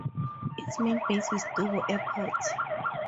Its main base is Dubbo Airport.